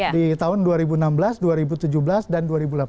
di tahun dua ribu enam belas dua ribu tujuh belas dan dua ribu delapan belas